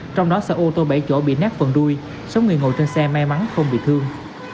trong đó xe ô tô bảy chỗ bị nát phần đuôi sáu người ngồi trên xe may mắn không bị thương